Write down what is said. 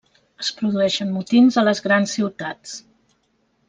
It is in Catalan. Es produeixen motins a les grans ciutats.